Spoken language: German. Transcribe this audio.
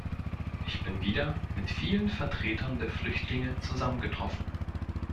Ich bin wieder mit vielen Vertretern der Flüchtlinge zusammengetroffen.